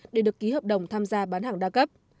để được ký hợp đồng tham gia bán hàng đa cấp